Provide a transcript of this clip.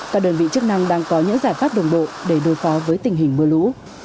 các đơn vị chức năng đang có những giải pháp đồng bộ để đối phó với tình hình mưa lũ